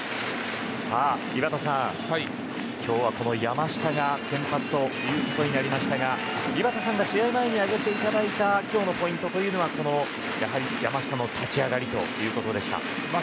井端さん、今日はこの山下が先発ということになりましたが井端さんに試合前に挙げていただいた今日のポイントはやはり山下の立ち上がりでした。